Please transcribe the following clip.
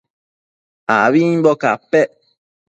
abimbo capec